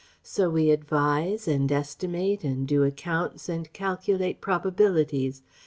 So we advise and estimate and do accounts and calculate probabilities.